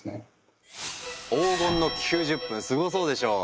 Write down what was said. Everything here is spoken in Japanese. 黄金の９０分すごそうでしょう？